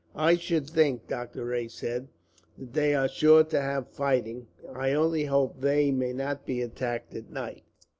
"I should think," Doctor Rae said, "that they are sure to have fighting. I only hope they may not be attacked at night.